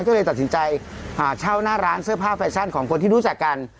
ก็เลยตัดสินใจเช่าหน้าร้านเสื้อผ้าแฟชั่นของคนที่รู้จักกัน